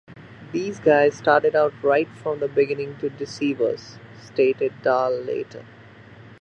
"These guys started out right from the beginning to deceive us," stated Dahl later.